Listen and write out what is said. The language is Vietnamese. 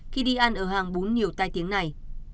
khi đi ăn ở hàng bốn nhiều tai tiếng này